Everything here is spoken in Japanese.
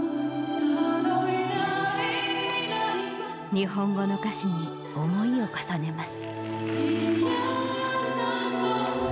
日本語の歌詞に思いを重ねます。